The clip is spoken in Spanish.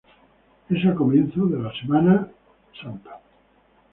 Es el comienzo de la Semana Santa.